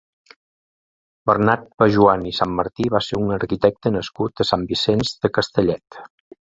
Bernat Pejoan i Sanmartí va ser un arquitecte nascut a Sant Vicenç de Castellet.